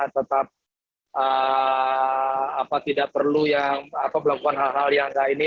tetap tidak perlu yang apa melakukan hal hal yang tidak ini